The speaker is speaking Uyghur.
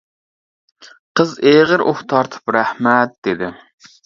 قىز ئېغىر ئۇھ تارتىپ «رەھمەت» دېدى.